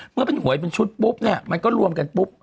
เมื่อเป็นหวยเป็นชุดปุ๊บเนี่ยมันก็รวมกันปุ๊บ